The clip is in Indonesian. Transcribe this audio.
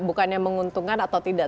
bukannya menguntungkan atau tidak